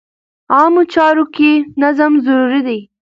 عامه چارو کې نظم ضروري دی.